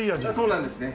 そうなんですね。